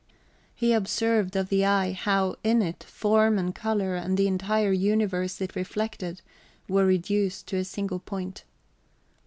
He observed of the eye how in it form and colour, and the entire universe it reflected, were reduced to a single point.